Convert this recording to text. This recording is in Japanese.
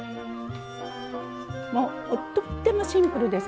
もうとってもシンプルです。